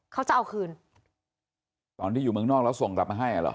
เขาจะเอาคืนตอนที่อยู่เมืองนอกแล้วส่งกลับมาให้อ่ะเหรอ